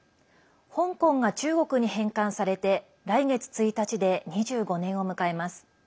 香港が中国に返還されて来月１日で２５年を迎えます。